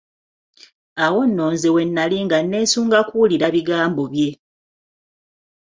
Awo nno nze we nali nga neesunga kuwulira bigambo bye.